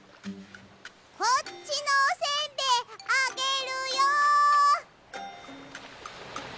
こっちのおせんべいあげるよ！